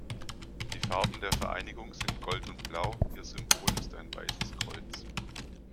Die Farben der Vereinigung sind Gold und Blau, ihr Symbol ist ein weißes Kreuz.